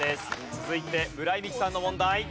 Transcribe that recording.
続いて村井美樹さんの問題。